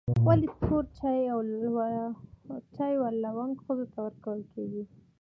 ولي توري چای و لنګو ښځو ته ورکول کیږي؟